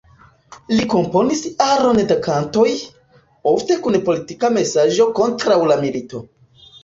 Li komponis aron da kantoj, ofte kun politika mesaĝo kontraŭ la milito.